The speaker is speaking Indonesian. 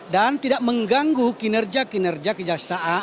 dan tidak mengganggu kinerja kinerja kejaksaan